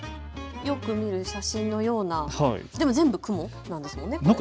よく見る写真のような、でも全部雲なんですよね。